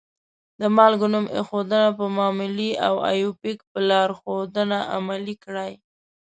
د مالګو نوم ایښودنه په معمولي او آیوپک په لارښودنه عملي کړئ.